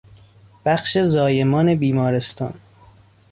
بخش زایمان بیمارستان